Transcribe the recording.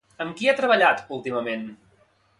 Amb qui ha treballat últimament?